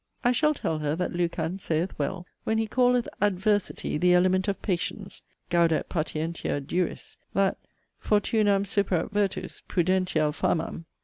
I shall tell her, that Lucan saith well, when he calleth 'adversity the element of patience'; ' Gaudet patientia duris:' That 'Fortunam superat virtus, prudential famam.'